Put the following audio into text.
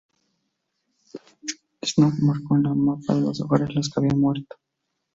Snow marcó en el mapa los hogares de los que habían muerto.